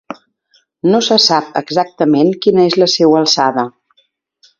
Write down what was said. No se sap exactament quina és la seua alçada.